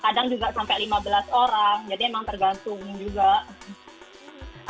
kadang juga sampai lima belas orang jadi emang tergantung juga